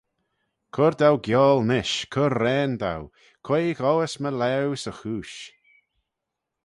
Cur dou gioal nish, cur raane dou, quoi ghoys my laue 'sy chooish?